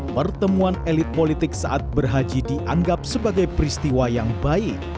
pertemuan elit politik saat berhaji dianggap sebagai peristiwa yang baik